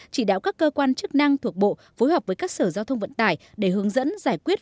chỉ đạo các cơ quan chức năng thuộc bộ phối hợp với các sở giao thông vận tải để hướng dẫn giải quyết